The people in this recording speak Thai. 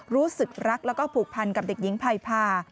รู้สึกรักแล้วก็ผูกพันกับเด็กหญิงภัยพา